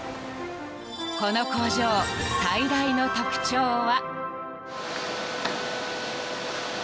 この工場最大の特徴は。